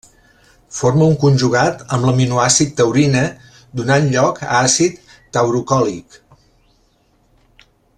Forma un conjugat amb l'aminoàcid taurina, donant lloc a àcid taurocòlic.